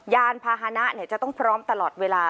ยานพาหนะจะต้องพร้อมตลอดเวลา